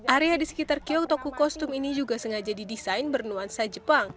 area di sekitar kyoto kukostum ini juga sengaja didesain bernuansa jepang